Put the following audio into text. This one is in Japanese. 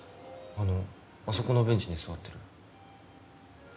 あのあそこのベンチに座ってる。